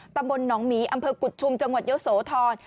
ตำบลหนองหมีอำเภอกุฎชุมจังหวัดเยอะโสธร